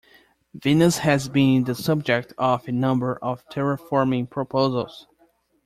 Venus has been the subject of a number of terraforming proposals.